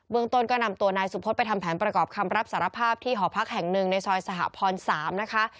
เมืองต้นก็นำตัวนายสุพธไปทำแผนประกอบคำรับสารภาพที่หอพักแห่งหนึ่งในซอยสหพร๓นะคะ